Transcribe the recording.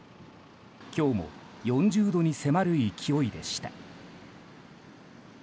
今日も４０度に迫る勢いでした。